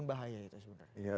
yang bahaya itu sebenarnya